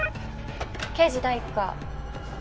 刑事第一課。